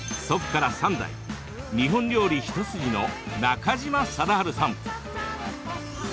祖父から３代日本料理一筋の中嶋貞治さん。